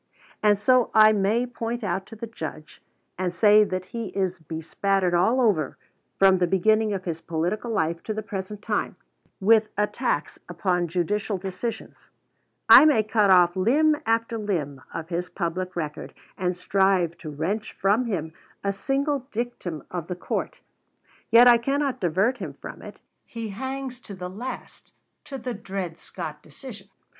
And so I may point out to the Judge, and say that he is bespattered all over, from the beginning of his political life to the present time, with attacks upon judicial decisions; I may cut off limb after limb of his public record, and strive to wrench from him a single dictum of the court, yet I cannot divert him from it. He hangs to the last to the Dred Scott decision.